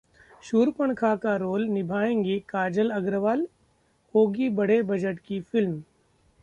शूर्पणखा का रोल निभाएंगी काजल अग्रवाल? होगी बड़े बजट की फिल्म